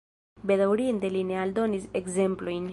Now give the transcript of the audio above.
Bedaŭrinde li ne aldonis ekzemplojn.